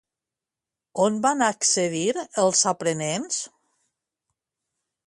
On van accedir els aprenents?